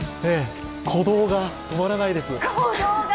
鼓動が止まらないです。